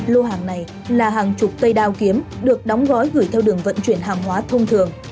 lô hàng này là hàng chục cây đao kiếm được đóng gói gửi theo đường vận chuyển hàng hóa thông thường